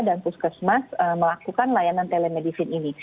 dan puskesmas melakukan layanan telemedicine ini